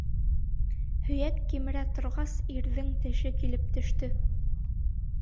Һөйәк кимерә торғас, ирҙең теше килеп төштө.